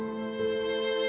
pesek air papi